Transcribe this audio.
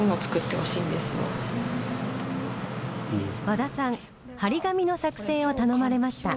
和田さん貼り紙の作成を頼まれました。